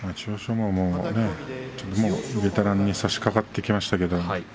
馬もベテランに差しかかってきました。